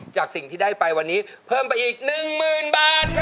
จากสิ่งที่ได้ไปวันนี้เพิ่มไปอีกหนึ่งหมื่นบาท